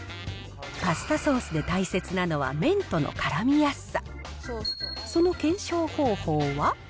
パスタソースで大切なのは、麺とのからみやすさ。